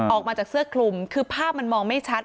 ออกมาจากเสื้อคลุมคือภาพมันมองไม่ชัด